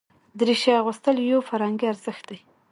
دریشي اغوستل یو فرهنګي ارزښت دی.